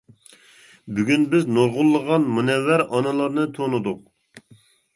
بۈگۈن بىز نۇرغۇنلىغان مۇنەۋۋەر ئانىلارنى تونۇدۇق.